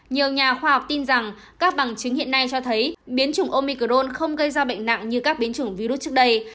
nhiều nhà khoa học tin rằng các bằng chứng hiện nay cho thấy biến chủng omicron không gây ra bệnh nặng như các biến chủng virus trước đây